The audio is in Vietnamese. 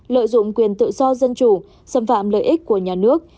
lợi dụng quyền tự do dân chủ xâm phạm lợi ích của nhà nước